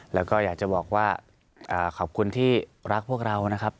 แล้วก็อยากจะบอกว่าขอบคุณที่รักพวกเรานะครับ